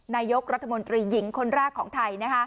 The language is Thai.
นายกรัฐมนตรีหญิงคนแรกของไทย